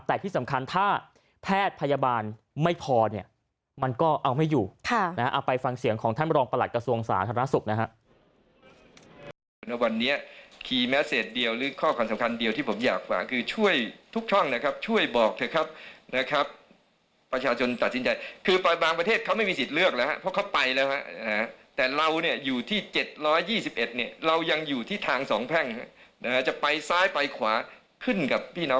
แต่ที่สำคัญถ้าแพทย์พยาบาลไม่พอเนี่ยมันก็เอาไม่อยู่เอาไปฟังเสียงของท่านบรองประหลัดกระทรวงสาธารณสุขนะฮะ